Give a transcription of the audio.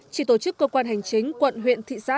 chỉ tổ chức cơ quan hành chính quận huyện thị xã